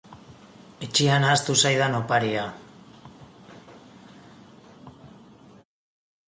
Etxean ahaztu zaidan oparia.